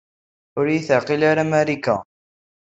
Ur iyi-teɛqil ara Marika.